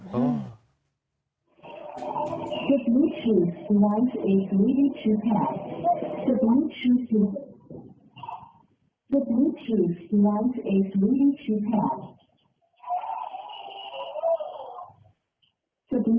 โอ้โฮ